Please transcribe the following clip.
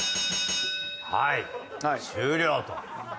はい終了と。